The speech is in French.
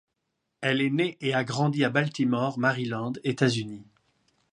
Elle est née et a grandi à Baltimore, Maryland, États-Unis.